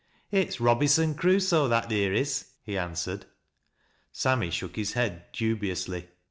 "It's Robyson Crusoe, that theer is," he answered. Sammy shook his head dubiously.